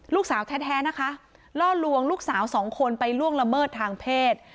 ลูกสาวแท้นะคะล่อลวงลูกสาวสองคนไปล่วงละเมิดทางเพศ